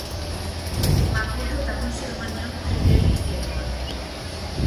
Makurtu eta musu eman nion Friedeli lepoan.